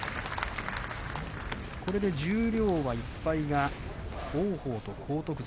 これで十両、１敗は王鵬と荒篤山。